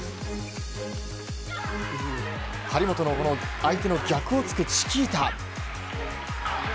張本の、相手の逆を突くチキータ。